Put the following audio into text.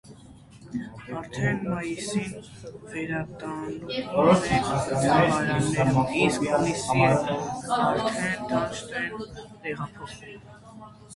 Արդեն մայիսին վերատնկում են թաղարներում, իսկ հունիսին արդեն դաշտ են տեղափոխում։